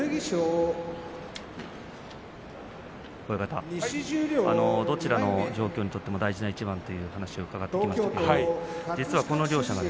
親方、どちらの状況にとっても大事な一番という話を伺ってきましたけれども実はこの両者